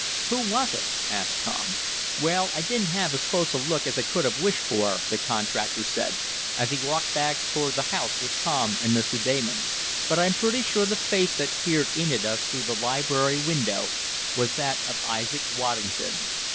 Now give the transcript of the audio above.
"Who was it?" asked Tom. "Well, I didn't have as close a look as I could have wished for," the contractor said, as he walked back toward the house with Tom and Mr. Damon, "but I'm pretty sure the face that peered in at us through the library window was that of Isaac Waddington."